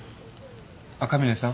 赤嶺さん？